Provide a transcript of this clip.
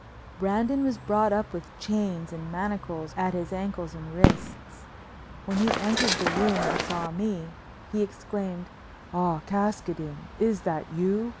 Brandon was brought up with chains and manacles at his ankles and wrists. When he entered the room and saw me, he exclaimed: "Ah! Caskoden, is that you?